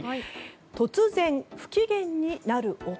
突然、不機嫌になる夫。